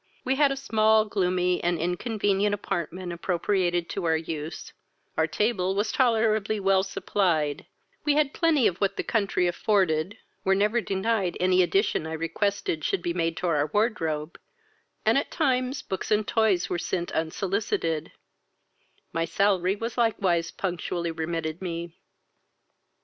We had a small, gloomy, and inconvenient apartment appropriated to our use; our table was tolerably well supplied: we had plenty of what the country afforded, were never denied any addition I requested should be made to our wardrobe, and at times books and toys were sent unsolicited; my salary was likewise punctually remitted me.